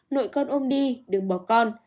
nội con ôm đi đừng bỏ con